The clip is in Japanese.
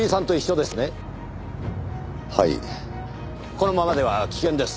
このままでは危険です。